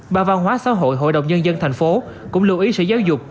bà văn hóa xã hội hội đồng nhân dân tp hcm cũng lưu ý sở giáo dục